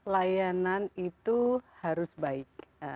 layanan itu harus baik